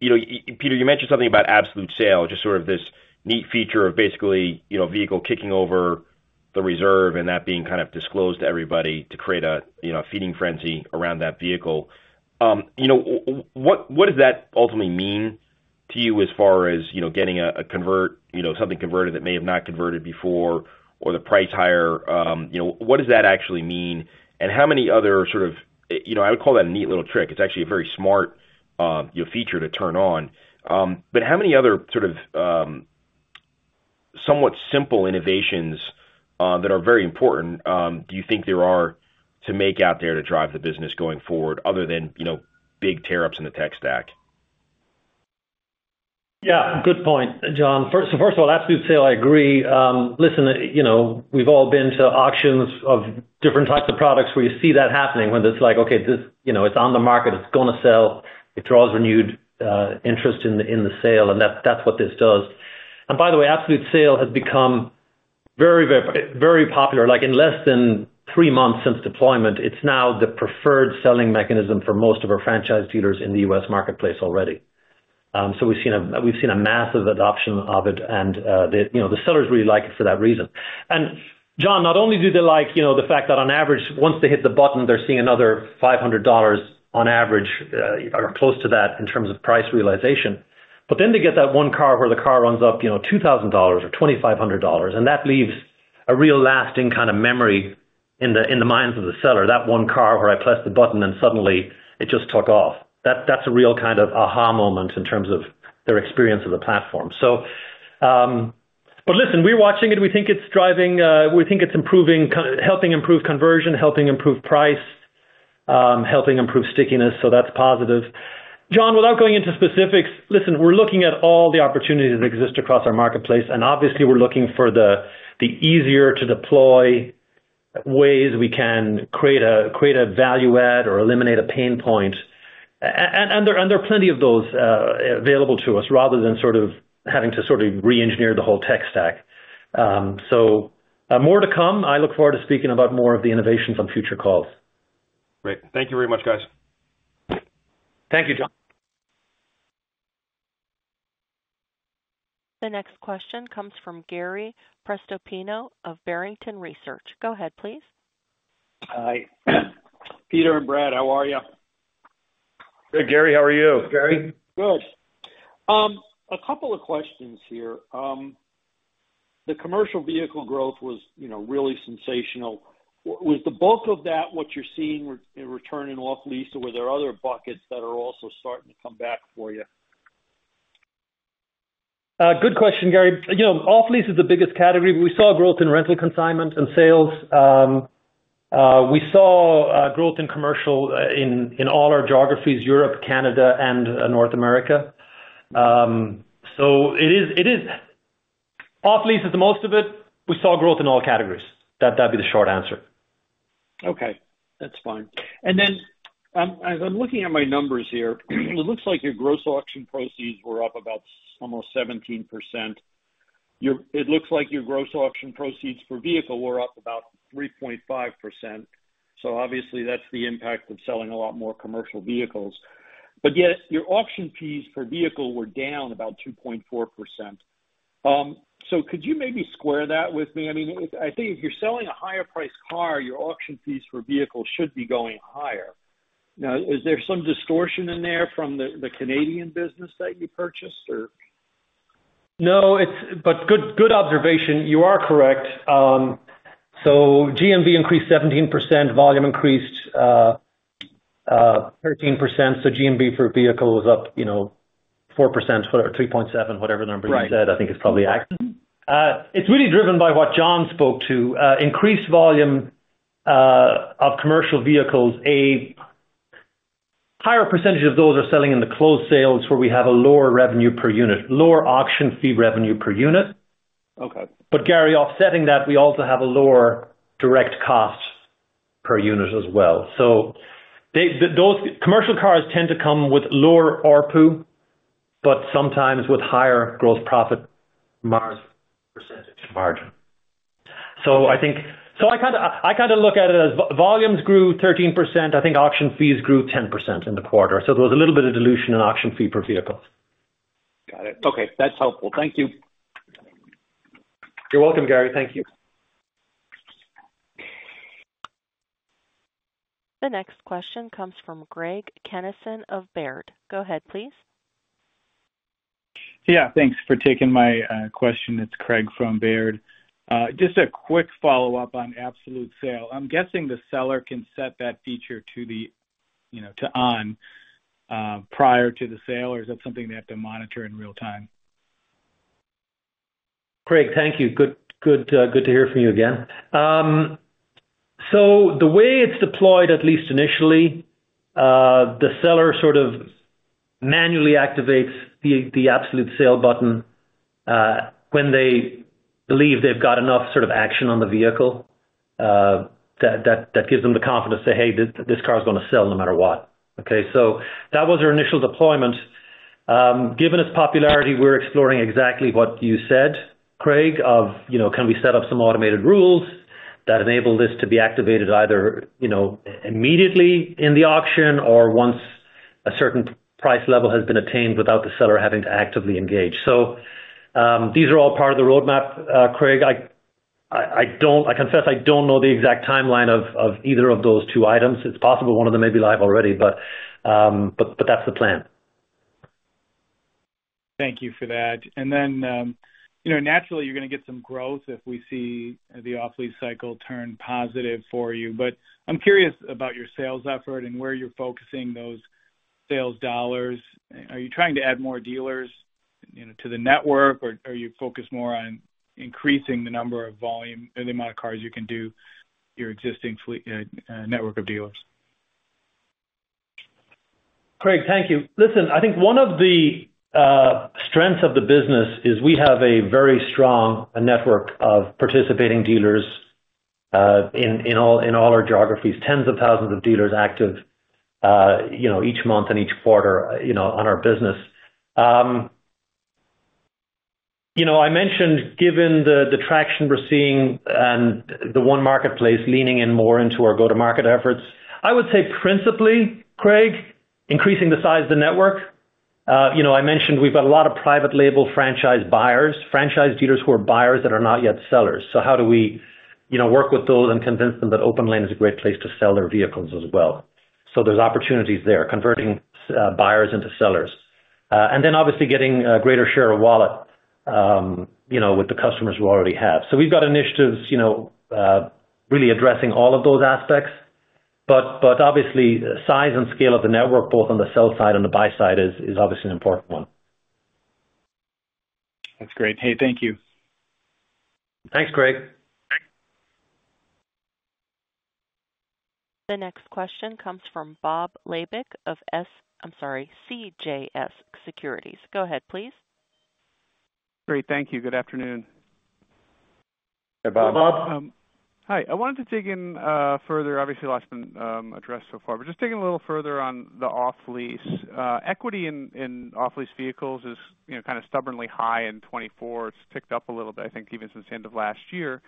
You know, Peter, you mentioned something about Absolute Sale, just sort of this neat feature of basically, you know, a vehicle kicking over the reserve and that being kind of disclosed to everybody to create a, you know, feeding frenzy around that vehicle. You know, what does that ultimately mean to you as far as, you know, getting a conversion, you know, something converted that may have not converted before or the price higher? You know, what does that actually mean? And how many other sort of, you know, I would call that a neat little trick. It's actually a very smart, you know, feature to turn on. But how many other sort of, somewhat simple innovations that are very important do you think there are to make out there to drive the business going forward other than, you know, big tear-ups in the tech stack? Yeah, good point, John. First, so first of all, Absolute Sale, I agree. Listen, you know, we've all been to auctions of different types of products where you see that happening, whether it's like, okay, this, you know, it's on the market, it's gonna sell. It draws renewed interest in the sale, and that's what this does. And by the way, Absolute Sale has become very, very, very popular. Like, in less than three months since deployment, it's now the preferred selling mechanism for most of our franchise dealers in the U.S. marketplace already. So we've seen a massive adoption of it, and, you know, the sellers really like it for that reason. And John, not only do they like, you know, the fact that on average, once they hit the button, they're seeing another $500 on average, or close to that in terms of price realization, but then they get that one car where the car runs up, you know, $2,000 or $2,500, and that leaves a real lasting kind of memory in the minds of the seller. That one car where I pressed the button and suddenly it just took off. That's a real kind of aha moment in terms of their experience of the platform. So, but listen, we're watching it. We think it's driving. We think it's improving, helping improve conversion, helping improve price, helping improve stickiness, so that's positive. John, without going into specifics, listen, we're looking at all the opportunities that exist across our marketplace, and obviously, we're looking for the easier to deploy ways we can create a value add or eliminate a pain point. And there are plenty of those available to us, rather than sort of having to sort of reengineer the whole tech stack. So, more to come. I look forward to speaking about more of the innovations on future calls. Great. Thank you very much, guys. Thank you, John. The next question comes from Gary Prestopino of Barrington Research. Go ahead, please. Hi, Peter and Brad, how are you? Good, Gary. How are you, Gary? Good. A couple of questions here. The commercial vehicle growth was, you know, really sensational. Was the bulk of that what you're seeing in return in off-lease, or were there other buckets that are also starting to come back for you? Good question, Gary. You know, off-lease is the biggest category. We saw growth in rental consignment and sales. We saw growth in commercial in all our geographies, Europe, Canada, and North America. So it is off-lease is the most of it. We saw growth in all categories. That'd be the short answer. Okay, that's fine. Then, as I'm looking at my numbers here, it looks like your gross auction proceeds were up about almost 17%. It looks like your gross auction proceeds per vehicle were up about 3.5%. So obviously, that's the impact of selling a lot more commercial vehicles. But yet, your auction fees per vehicle were down about 2.4%. So could you maybe square that with me? I mean, I think if you're selling a higher priced car, your auction fees for vehicles should be going higher. Now, is there some distortion in there from the Canadian business that you purchased, or? No, but good, good observation. You are correct. So GMV increased 17%, volume increased 13%. So GMV per vehicle was up, you know, 4% or 3.7%, whatever the number you said- Right. I think it's probably accurate. It's really driven by what John spoke to. Increased volume of commercial vehicles. A higher percentage of those are selling in the closed sales, where we have a lower revenue per unit, lower auction fee revenue per unit. Okay. But Gary, offsetting that, we also have a lower direct cost per unit as well. So they, those commercial cars tend to come with lower ARPU, but sometimes with higher gross profit margin, percentage margin. So I think... So I kind of, I kind of look at it as volumes grew 13%. I think auction fees grew 10% in the quarter, so there was a little bit of dilution in auction fee per vehicle. Got it. Okay, that's helpful. Thank you. You're welcome, Gary. Thank you. The next question comes from Craig Kennison of Baird. Go ahead, please. Yeah, thanks for taking my question. It's Craig from Baird. Just a quick follow-up on Absolute Sale. I'm guessing the seller can set that feature to the, you know, to on, prior to the sale, or is that something they have to monitor in real time? Craig, thank you. Good, good, good to hear from you again. So the way it's deployed, at least initially, the seller sort of manually activates the Absolute Sale button, when they believe they've got enough sort of action on the vehicle, that gives them the confidence to say, "Hey, this car is going to sell no matter what." Okay, so that was our initial deployment. Given its popularity, we're exploring exactly what you said, Craig, of you know, can we set up some automated rules that enable this to be activated either you know, immediately in the auction or once a certain price level has been attained without the seller having to actively engage? So these are all part of the roadmap, Craig. I confess, I don't know the exact timeline of either of those two items. It's possible one of them may be live already, but that's the plan. Thank you for that. And then, you know, naturally, you're going to get some growth if we see the off-lease cycle turn positive for you. But I'm curious about your sales effort and where you're focusing those sales dollars. Are you trying to add more dealers, you know, to the network, or are you focused more on increasing the number of volume or the amount of cars you can do, your existing fleet, network of dealers? Craig, thank you. Listen, I think one of the strengths of the business is we have a very strong network of participating dealers in, in all, in all our geographies, tens of thousands of dealers active, you know, each month and each quarter, you know, on our business. You know, I mentioned, given the traction we're seeing and the one marketplace leaning in more into our go-to-market efforts, I would say principally, Craig, increasing the size of the network. You know, I mentioned we've got a lot of private label franchise buyers, franchise dealers who are buyers that are not yet sellers. So how do we, you know, work with those and convince them that OPENLANE is a great place to sell their vehicles as well? So there's opportunities there, converting buyers into sellers. And then obviously getting a greater share of wallet, you know, with the customers we already have. So we've got initiatives, you know, really addressing all of those aspects. But obviously, size and scale of the network, both on the sell side and the buy side, is obviously an important one. That's great. Hey, thank you. Thanks, Craig. Thanks. The next question comes from Bob Labick of, I'm sorry, CJS Securities. Go ahead, please. Great. Thank you. Good afternoon. Hey, Bob. Bob. Hi. I wanted to dig in further. Obviously, a lot's been addressed so far, but just digging a little further on the off-lease. Equity in off-lease vehicles is, you know, kind of stubbornly high in 2024. It's picked up a little bit, I think, even since the end of last year,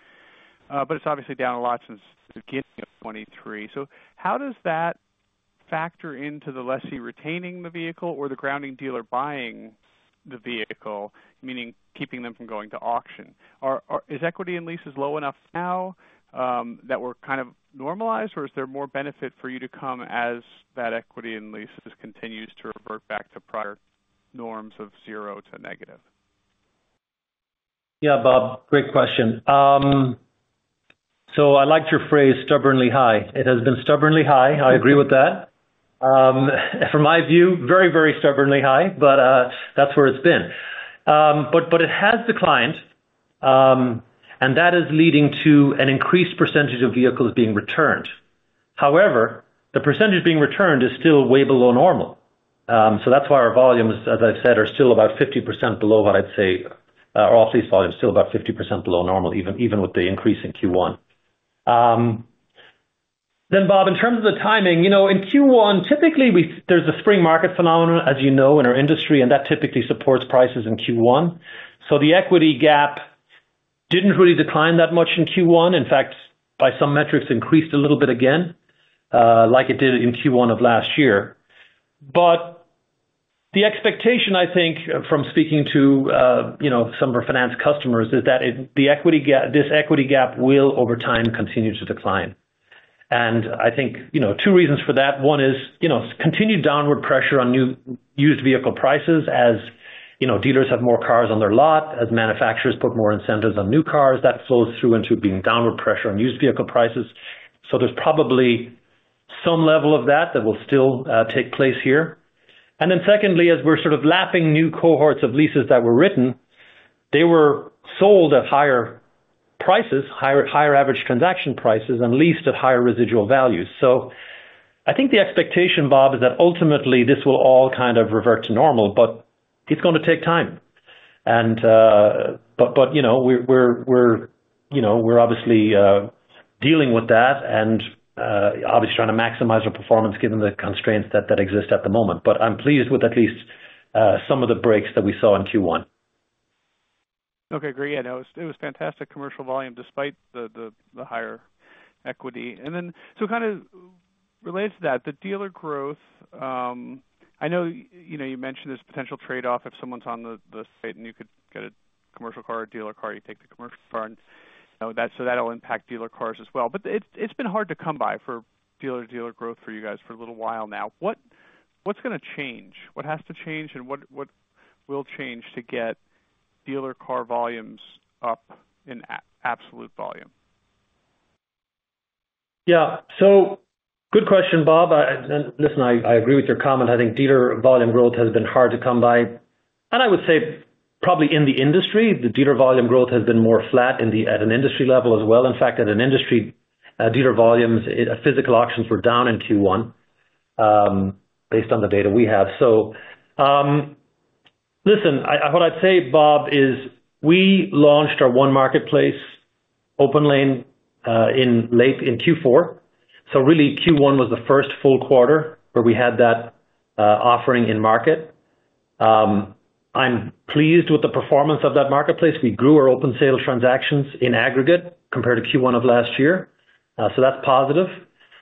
but it's obviously down a lot since the beginning of 2023. So how does that factor into the lessee retaining the vehicle or the originating dealer buying the vehicle, meaning keeping them from going to auction? Is equity in leases low enough now that we're kind of normalized, or is there more benefit for you to come as that equity in leases continues to revert back to prior norms of zero to negative? Yeah, Bob, great question. So I liked your phrase, stubbornly high. It has been stubbornly high. I agree with that. From my view, very, very stubbornly high, but that's where it's been. But it has declined, and that is leading to an increased percentage of vehicles being returned. However, the percentage being returned is still way below normal. So that's why our volumes, as I've said, are still about 50% below what I'd say, or off lease volumes, still about 50% below normal, even with the increase in Q1. Then, Bob, in terms of the timing, you know, in Q1, typically, there's a spring market phenomenon, as you know, in our industry, and that typically supports prices in Q1. So the equity gap didn't really decline that much in Q1. In fact, by some metrics, increased a little bit again, like it did in Q1 of last year. But the expectation, I think, from speaking to, you know, some of our finance customers, is that it... The equity gap-- this equity gap will, over time, continue to decline. And I think, you know, two reasons for that. One is, you know, continued downward pressure on new-used vehicle prices. As you know, dealers have more cars on their lot, as manufacturers put more incentives on new cars, that flows through into being downward pressure on used vehicle prices. So there's probably some level of that that will still take place here. And then secondly, as we're sort of lapping new cohorts of leases that were written, they were sold at higher prices, higher, higher average transaction prices, and leased at higher residual values. So I think the expectation, Bob, is that ultimately this will all kind of revert to normal, but it's gonna take time. But, you know, we're, you know, we're obviously dealing with that and obviously trying to maximize our performance given the constraints that exist at the moment. But I'm pleased with at least some of the breaks that we saw in Q1. Okay, agree. I know it was fantastic commercial volume despite the higher equity. And then, so kind of related to that, the dealer growth, I know, you know, you mentioned this potential trade-off. If someone's on the site, and you could get a commercial car or a dealer car, you take the commercial car, and, you know, that's so that'll impact dealer cars as well. But it's been hard to come by for dealer growth for you guys for a little while now. What's gonna change? What has to change, and what will change to get dealer car volumes up in absolute volume? Yeah. So good question, Bob. And listen, I agree with your comment. I think dealer volume growth has been hard to come by, and I would say probably in the industry, the dealer volume growth has been more flat at an industry level as well. In fact, at an industry, dealer volumes, physical auctions were down in Q1, based on the data we have. So, listen, what I'd say, Bob, is we launched our own marketplace, OPENLANE, in late Q4, so really, Q1 was the first full quarter where we had that offering in market. I'm pleased with the performance of that marketplace. We grew our open sale transactions in aggregate compared to Q1 of last year. So that's positive.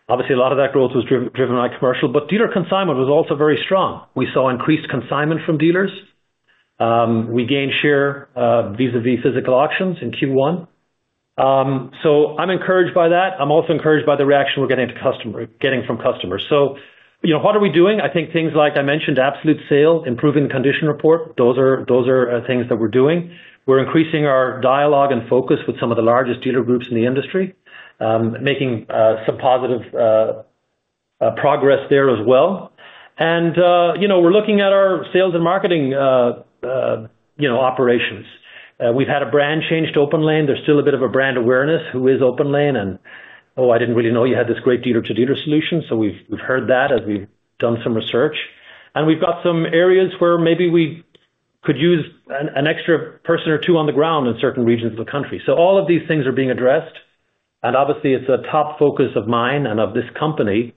Obviously, a lot of that growth was driven by commercial, but dealer consignment was also very strong. We saw increased consignment from dealers. We gained share vis-a-vis physical auctions in Q1. So I'm encouraged by that. I'm also encouraged by the reaction we're getting from customers. So, you know, what are we doing? I think things like I mentioned, Absolute Sale, improving condition report. Those are things that we're doing. We're increasing our dialogue and focus with some of the largest dealer groups in the industry, making some positive progress there as well. And, you know, we're looking at our sales and marketing, you know, operations. We've had a brand change to OPENLANE. There's still a bit of a brand awareness, who is OPENLANE? Oh, I didn't really know you had this great dealer-to-dealer solution. So we've heard that as we've done some research. And we've got some areas where maybe we could use an extra person or two on the ground in certain regions of the country. So all of these things are being addressed, and obviously, it's a top focus of mine and of this company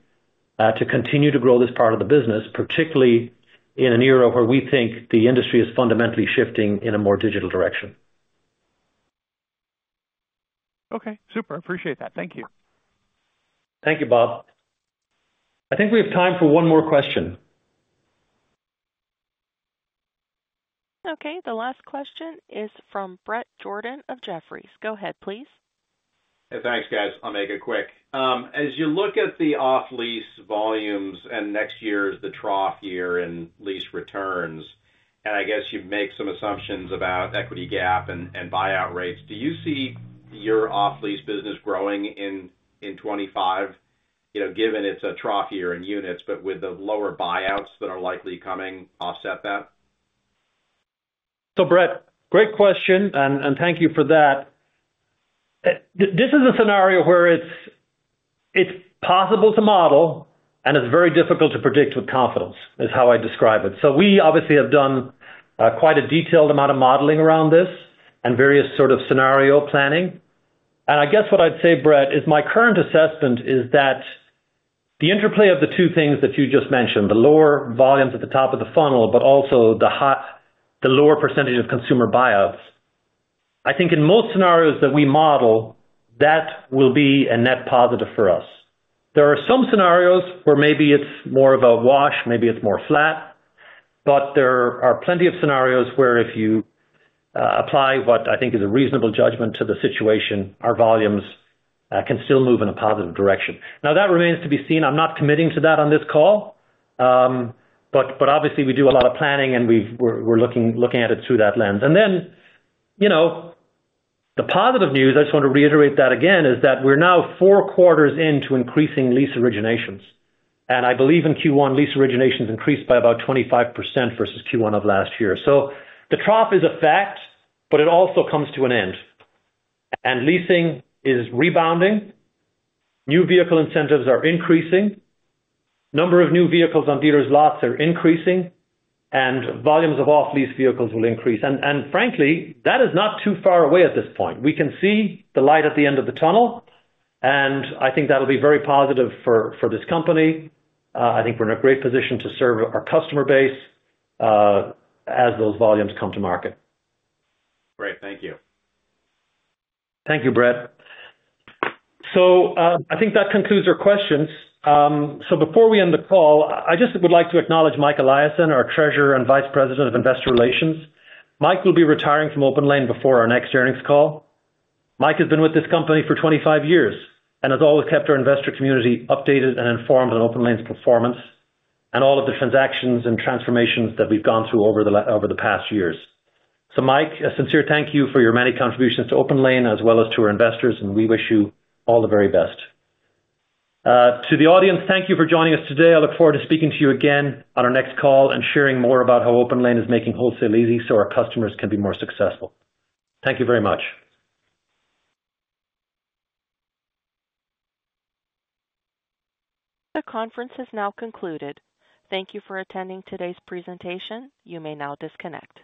to continue to grow this part of the business, particularly in an era where we think the industry is fundamentally shifting in a more digital direction. Okay, super. Appreciate that. Thank you. Thank you, Bob. I think we have time for one more question. Okay, the last question is from Brett Jordan of Jefferies. Go ahead, please. Hey, thanks, guys. I'll make it quick. As you look at the off-lease volumes, and next year is the trough year in lease returns, and I guess you make some assumptions about equity gap and buyout rates. Do you see your off-lease business growing in 25? You know, given it's a trough year in units, but with the lower buyouts that are likely coming, offset that? So, Brett, great question, and thank you for that. This is a scenario where it's possible to model, and it's very difficult to predict with confidence, is how I describe it. So we obviously have done quite a detailed amount of modeling around this and various sort of scenario planning. And I guess what I'd say, Brett, is my current assessment is that the interplay of the two things that you just mentioned, the lower volumes at the top of the funnel, but also the lower percentage of consumer buyouts, I think in most scenarios that we model, that will be a net positive for us. There are some scenarios where maybe it's more of a wash, maybe it's more flat, but there are plenty of scenarios where if you apply what I think is a reasonable judgment to the situation, our volumes can still move in a positive direction. Now, that remains to be seen. I'm not committing to that on this call. But obviously, we do a lot of planning, and we're looking at it through that lens. And then, you know, the positive news, I just want to reiterate that again, is that we're now four quarters into increasing lease originations, and I believe in Q1, lease originations increased by about 25% versus Q1 of last year. So the trough is a fact, but it also comes to an end. Leasing is rebounding, new vehicle incentives are increasing, number of new vehicles on dealers' lots are increasing, and volumes of off-lease vehicles will increase. And frankly, that is not too far away at this point. We can see the light at the end of the tunnel, and I think that'll be very positive for this company. I think we're in a great position to serve our customer base as those volumes come to market. Great. Thank you. Thank you, Brett. So, I think that concludes your questions. So before we end the call, I just would like to acknowledge Mike Eliason, our Treasurer and Vice President of Investor Relations. Mike will be retiring from OPENLANE before our next earnings call. Mike has been with this company for 25 years and has always kept our investor community updated and informed on OPENLANE's performance and all of the transactions and transformations that we've gone through over the past years. So, Mike, a sincere thank you for your many contributions to OPENLANE, as well as to our investors, and we wish you all the very best. To the audience, thank you for joining us today. I look forward to speaking to you again on our next call and sharing more about how OPENLANE is making wholesale easy so our customers can be more successful. Thank you very much. The conference has now concluded. Thank you for attending today's presentation. You may now disconnect.